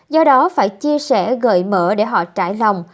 do đó phải chia sẻ gợi mở để họ trải lòng